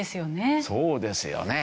そうですよね。